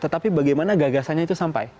tetapi bagaimana gagasannya itu sampai